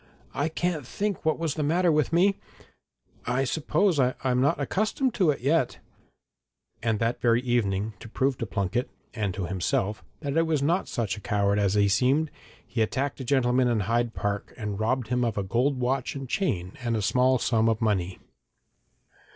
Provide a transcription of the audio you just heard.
'I can't think what was the matter with me I suppose I'm not quite accustomed to it yet.' And that very evening, to prove to Plunket and himself that he was not such a coward as he seemed, he attacked a gentleman in Hyde Park and robbed him of a gold watch and chain and a small sum of money.